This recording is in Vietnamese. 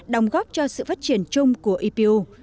đóng góp cho sự phát triển chung của epu